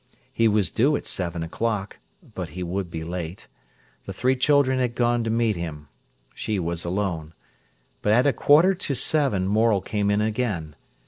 He was due at seven o'clock, but he would be late. The three children had gone to meet him. She was alone. But at a quarter to seven Morel came in again.